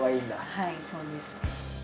はいそうです。